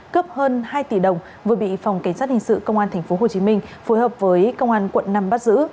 cướp hơn hai tỷ đồng vừa bị phòng cảnh sát hình sự công an tp hcm phối hợp với công an quận năm bắt giữ